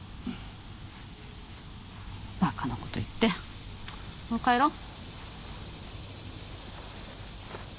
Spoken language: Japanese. バカなこと言って帰ろ。